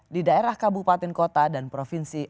di daerah kabupaten kota dan provinsi